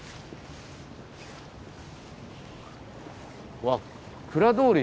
うわ蔵通り。